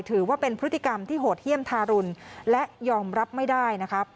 ถือว่าเป็นพฤติกรรมที่โหดเยี่ยมทารุณและยอมรับไม่ได้นะครับ